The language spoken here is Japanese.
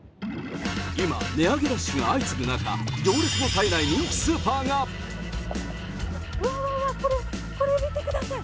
今、値上げラッシュが相次ぐ中、行列の絶えない人気スーパーうわー、これ、見てください。